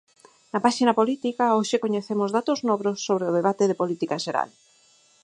Na páxina política, hoxe coñecemos datos novos sobre o debate de política xeral.